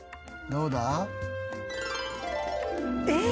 どうだ？えっ！